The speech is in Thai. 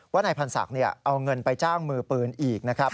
นายพันธ์ศักดิ์เอาเงินไปจ้างมือปืนอีกนะครับ